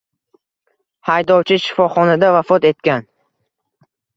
Haydovchi shifoxonada vafot etgan